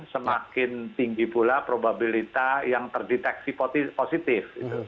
semakin tinggi pula probabilitas yang terdeteksi positif